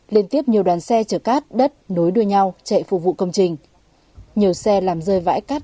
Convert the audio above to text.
liên tiếp nhiều đoàn xe chở cát đất nối đuôi nhau chạy phục vụ công trình nhiều xe làm rơi vãi cát